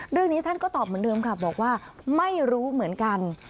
เรื่องนี้ท่านก็ตอบเหมือนเดิมค่ะบอกว่าไม่รู้เหมือนกัน